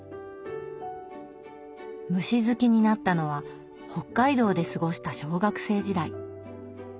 虫好きになったのは北海道で過ごした小学生時代。